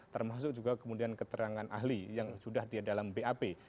termasuk juga kemudian keterangan ahli yang sudah dia dalam bap